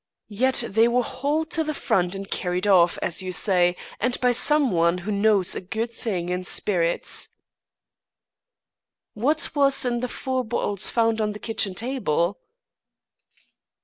Yet they were hauled to the front and carried off, as you say, and by some one who knows a good thing in spirits." "What was in the four bottles found on the kitchen table?"